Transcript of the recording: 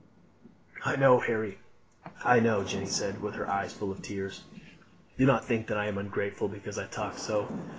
"I know, Harry; I know," Jeanne said with her eyes full of tears. "Do not think that I am ungrateful because I talk so.